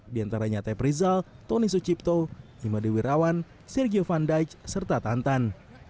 diantaranya teh prizal tony sucipto imadi wirawan sergio van dijk serta tantan